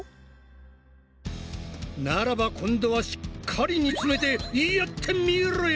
ならば今度はしっかり煮つめてやってみろや！